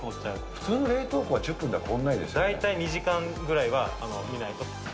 普通の冷凍庫だと、１０分じ大体２時間ぐらいは見ないと。